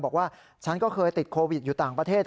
บอกว่าฉันก็เคยติดโควิดอยู่ต่างประเทศ